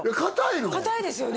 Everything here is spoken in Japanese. かたいですよね？